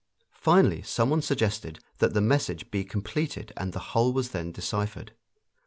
Finally some one suggested that the message be completed and the whole was then deciphered.